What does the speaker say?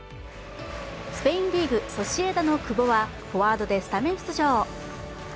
スペインリーグ・ソシエダの久保はフォワードでスタメン出場。